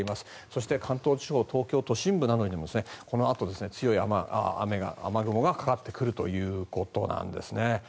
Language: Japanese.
そして関東地方、東京都心部などにもこのあと、強い雨雲がかかってくるということなんですね。